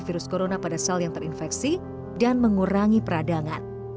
virus corona pada sel yang terinfeksi dan mengurangi peradangan